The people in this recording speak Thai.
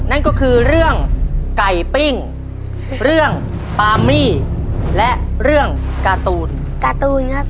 นั่นก็คือเรื่องไก่ปิ้งเรื่องปามี่และเรื่องการ์ตูนการ์ตูนครับ